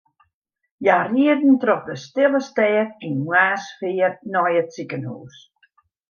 Hja rieden troch de stille stêd yn moarnssfear nei it sikehûs.